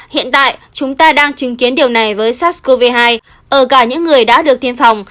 hiện tại chúng ta đang chứng kiến điều này với sars cov hai ở cả những người đã được tiêm phòng